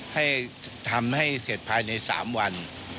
ให้ทำให้เสร็จภายใน๓วัน